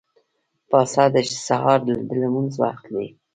پاڅه! د سهار د لمونځ وخت دی.